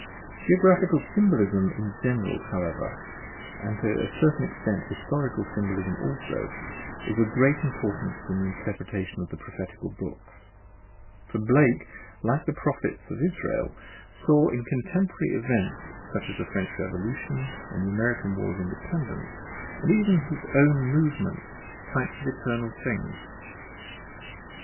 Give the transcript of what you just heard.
Geographical symbolism in general, however, and to a certain extent historical symbolism also, is of great importance in the inter pretation of the prophetical books: for Blake, like the prophets of Israel, saw in contemporary events such as the French Revolution and the American war of Independence, and even in his own move ments, types of eternal things.